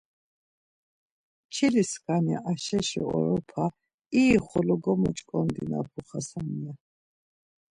Çili skani Aşeşi oropa irixolo gomoç̌ǩondinapu Xasani ya.